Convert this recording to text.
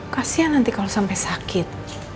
kasian nanti kalau sampai sakit